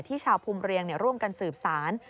ที่ชาวพุมเรียงร่วมกันสืบสาร